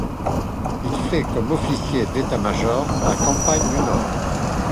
Il fait comme officier d'état-major la campagne du Nord.